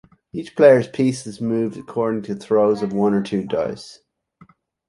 Each player's piece is moved according to throws of one or two dice.